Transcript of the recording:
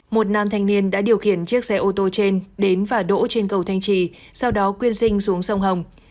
một nam thanh niên đã điều khiển chiếc xe ô tô trên đến và đỗ trên cầu thanh trì sau đó quyên sinh xuống sông hồng